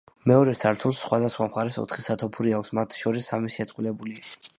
მეორე სართულს სხვადასხვა მხარეს ოთხი სათოფური აქვს, მათ შორის სამი შეწყვილებულია.